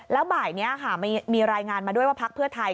แล้วบ่ายนี้ค่ะมีรายงานมาด้วยว่าพักเพื่อไทย